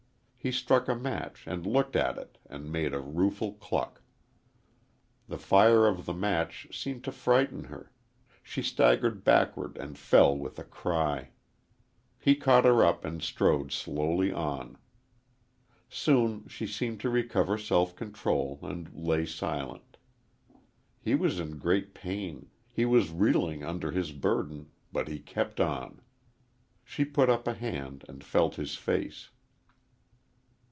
He struck a match and looked at it and made a rueful cluck. The fire of the match seemed to frighten her; she staggered backward and fell with a cry. He caught her up and strode slowly on. Soon she seemed to recover self control and lay silent. He was in great pain; he was reeling under his burden, but he kept on. She put up a hand and felt his face.